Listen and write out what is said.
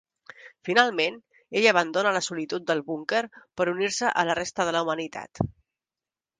Finalment, ella abandona la solitud del búnquer per unir-se a la resta de la humanitat.